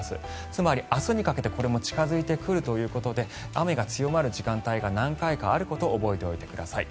つまり明日にかけてこれも近付いてくるということで雨が強まる時間帯が何回かあることを覚えておいてください。